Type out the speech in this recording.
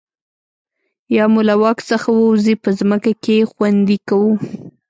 یا مو له واک څخه ووځي په ځمکه کې خوندي کوو.